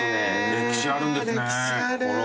歴史あるんですね。